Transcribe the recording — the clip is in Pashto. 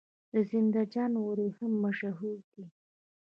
د زنده جان وریښم مشهور دي